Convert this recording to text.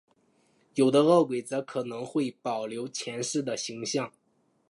有的饿鬼则可能会保留前世的形象。